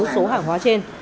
số hàng hóa trên